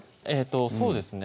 そうですね